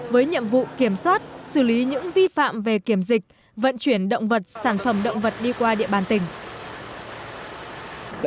với nhiệm vụ kiểm soát xử lý những vi phạm về kiểm dịch vận chuyển động vật sản phẩm động vật đi qua địa bàn tỉnh